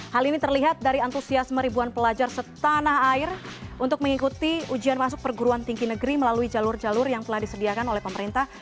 hal ini terlihat dari antusiasme ribuan pelajar setanah air untuk mengikuti ujian masuk perguruan tinggi negeri melalui jalur jalur yang telah disediakan oleh pemerintah